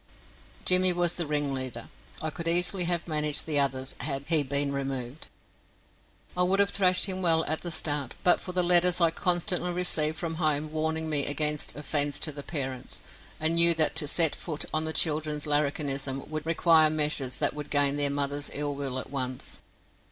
Jimmy was the ringleader. I could easily have managed the others had he been removed. I would have thrashed him well at the start but for the letters I constantly received from home warning me against offence to the parents, and knew that to set my foot on the children's larrikinism would require measures that would gain their mother's ill will at once.